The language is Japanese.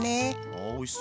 ああおいしそう！